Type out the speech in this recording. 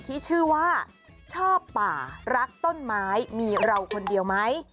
ที่ชื่อว่าชอบป่ารักต้นไม้มีเราคนเดียวไหม